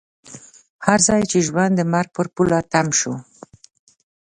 هر ځای چې ژوند د مرګ پر پوله تم شو.